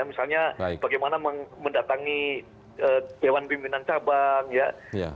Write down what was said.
misalnya bagaimana mendatangi dewan pimpinan cahabat